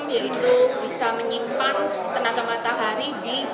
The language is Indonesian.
yaitu bisa menyimpan tenaga matahari di